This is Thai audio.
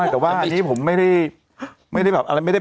แต่อันนี้ผมไม่ได้